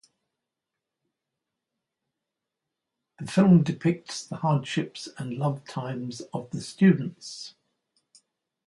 This film depicts the hardships and love times of the students.